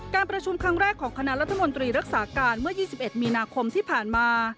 การประชุมครั้งแรกของคณะรัฐมนตรีรักษาการเมื่อ๒๑มีนาคมที่ผ่านมา